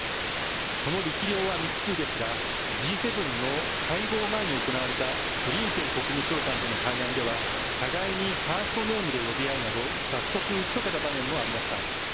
その力量は未知数ですがＧ７の会合前に行われたブリンケン国務長官との会談では互いにファーストネームで呼び合うなど早速、打ち解けた場面もありました。